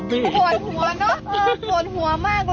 มิชุนา